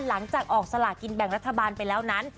หลังจากออกสลากินแบ่งรัฐบาลไปแล้วนั้น